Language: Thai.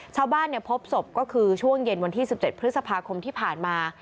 พบศพก็คือช่วงเย็นวันที่๑๗พฤษภาคมที่ผ่านมา